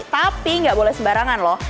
tapi nggak boleh sembarangan loh